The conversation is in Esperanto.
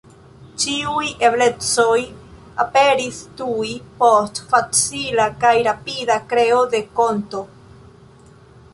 Ĉiuj eblecoj aperis tuj post facila kaj rapida kreo de konto.